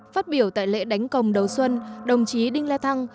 phát biểu tại lễ đánh công đầu xuân đồng chí đinh la thăng